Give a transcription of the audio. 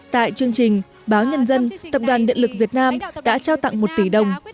tại chương trình báo nhân dân tập đoàn điện lực việt nam đã trao tặng một tỷ đồng